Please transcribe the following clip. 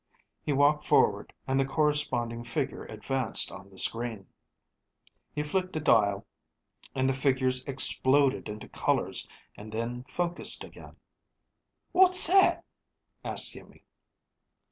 He walked forward and the corresponding figure advanced on the screen. He flicked a dial and the figures exploded into colors and then focused again. "What's that?" asked Iimmi.